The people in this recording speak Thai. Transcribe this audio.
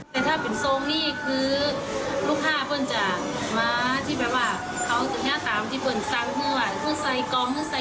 แต่ถ้าเป็นโซงนี้คือลูกค้าเพิ่งจะมาที่แบบว่าเขาจะเนื้อตามที่เพิ่งสร้างเพิ่งว่าเพิ่งใส่กรมเพิ่งใส่ผูนอย่างนี้นะเจ้า